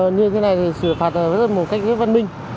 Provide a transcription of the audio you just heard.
như thế này thì xử phạt rất một cách văn minh